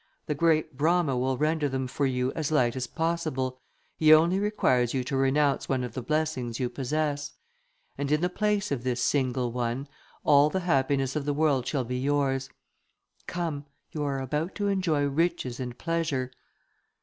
The great Brama will render them for you as light as possible, he only requires you to renounce one of the blessings you possess; and in the place of this single one, all the happiness of the earth shall be yours. Come, you are about to enjoy riches and pleasure."